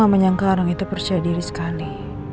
aku gak menyangka arang itu percaya diri sekali